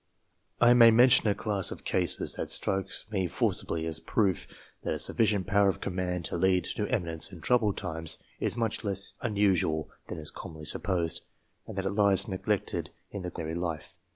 I may mention a class of cases that strikes me forcibly as a proof, that a sufficient power of command to lead to eminence in troublous times, is much less unusual than is commonly supposed, and that it lies neglected in the course of ordinary life.